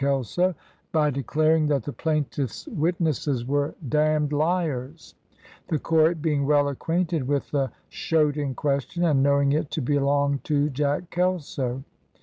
Kelso by de claring that the plaintiff's witnesses were "damned liars, the court being well acquainted with the shoat in question, and knowing it to be long to Jack Kelso."